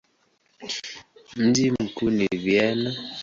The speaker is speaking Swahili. Mji mkuu ni Vienna.